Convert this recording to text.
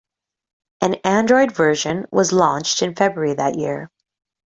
An Android version was launched in February that year.